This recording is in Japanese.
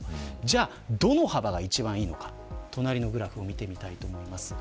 どの幅が一番いいのか隣のグラフを見ていただきたいです。